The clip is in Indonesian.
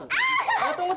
tunggu tunggu tunggu